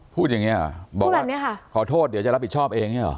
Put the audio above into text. พูดอย่างนี้อ่ะขอโทษเดี๋ยวจะรับผิดชอบเองนี่เหรอ